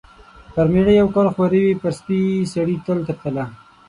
پر مېړه یو کال خواري وي ، پر سپي سړي تل تر تله .